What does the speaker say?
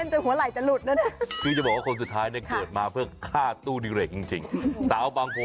องค์ยังอยู่ดีกันใช่มั้ยล่ะครับเนี่ยตัวสันแรงขนาดนี้เนี่ยหลังเวทีมีหอบแน่นอนครับ